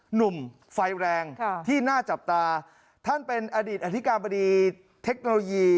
หนุ่มไฟแรงที่น่าจับตาท่านเป็นอดีตอธิการบดีเทคโนโลยี